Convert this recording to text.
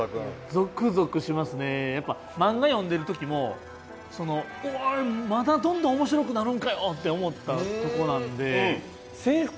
やっぱ漫画読んでる時もその「おいまだどんどん面白くなるんかよ」って思ったとこなんで。